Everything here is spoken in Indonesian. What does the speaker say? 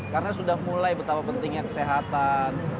karena sudah mulai betapa pentingnya kesehatan